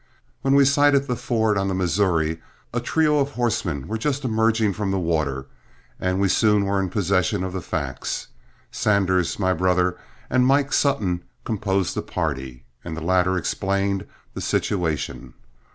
When we sighted the ford on the Missouri, a trio of horsemen were just emerging from the water, and we soon were in possession of the facts. Sanders, my brother, and Mike Sutton composed the party, and the latter explained the situation.